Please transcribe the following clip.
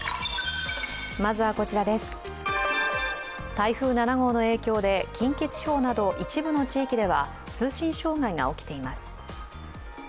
台風７号の影響で近畿地方など一部の地域では通信障害が起きています。